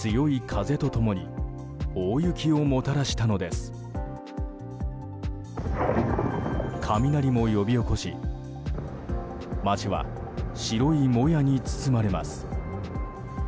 雷も呼び起こし街は、白いもやに包まれます。